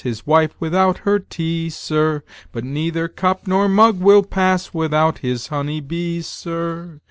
His wife without her tea, sir? But neither cup nor mug will pass, Without his honey bee, sir!